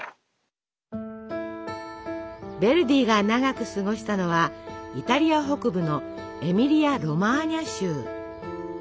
ヴェルディが長く過ごしたのはイタリア北部のエミリア・ロマーニャ州。